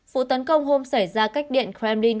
vụ tấn công hôm xảy ra cách điện kremlin